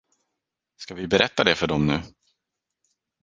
Ska vi berätta det för dem nu?